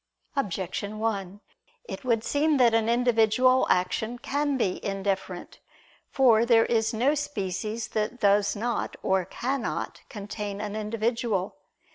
Objection 1: It would seem that an individual action can be indifferent. For there is no species that does not, or cannot, contain an individual.